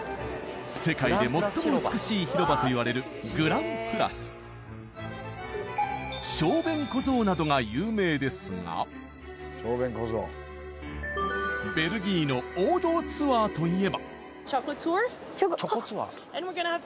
世界で最も美しい広場といわれる小便小僧などが有名ですがベルギーの王道ツアーといえばチョコ？あっ。